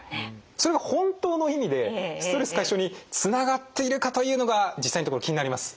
それが本当の意味でストレス解消につながっているかというのが実際のところ気になります。